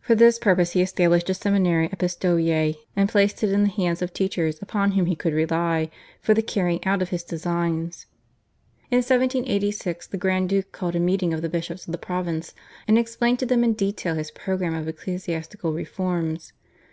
For this purpose he established a seminary at Pistoia, and placed it in the hands of teachers upon whom he could rely for the carrying out of his designs. In 1786 the Grand Duke called a meeting of the bishops of the province, and explained to them in detail his programme of ecclesiastical reforms.